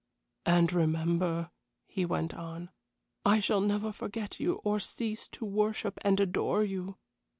"And remember," he went on, "I shall never forget you or cease to worship and adore you.